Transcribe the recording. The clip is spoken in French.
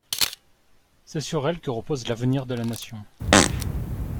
C'est sur elle que repose l'avenir de la nation.